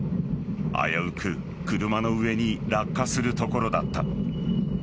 危うく車の上に落下するところだった。